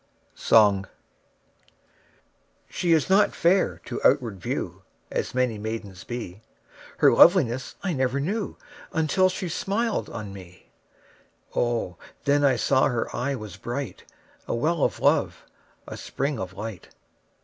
Song SHE is not fair to outward view As many maidens be, Her loveliness I never knew Until she smiled on me; O, then I saw her eye was bright, 5 A well of love, a spring of light!